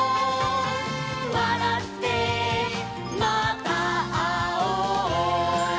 「わらってまたあおう」